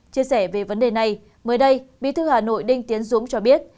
chia sẻ về vấn đề này mới đây bí thư hà nội đinh tiến dũng cho biết